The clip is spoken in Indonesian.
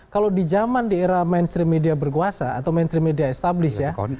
kalau di zaman di era mainstream media berkuasa atau mainstream media established ya